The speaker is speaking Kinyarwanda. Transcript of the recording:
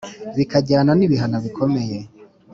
bikajyana ni bihano bikomeye